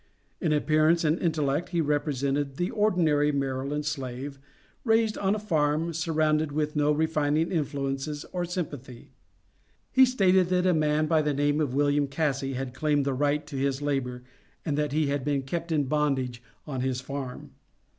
In appearance and intellect he represented the ordinary Maryland slave, raised on a farm, surrounded with no refining influences or sympathy. He stated that a man by the name of William Cassey had claimed the right to his labor, and that he had been kept in bondage on his farm.